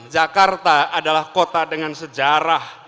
jakarta adalah kota dengan sejarah